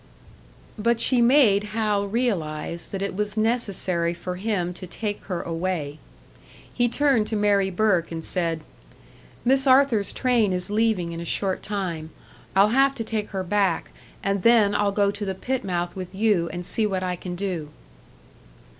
But she made Hal realise that it was necessary for him to take her away. He turned to Mary Burke and said, "Miss Arthur's train is leaving in a short time. I'll have to take her hack, and then I'll go to the pit mouth with you and see what I can do."